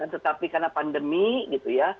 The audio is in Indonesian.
tetapi karena pandemi gitu ya